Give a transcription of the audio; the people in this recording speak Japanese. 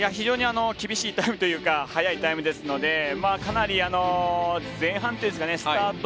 厳しいタイムというか速いタイムですのでかなり前半、スタート。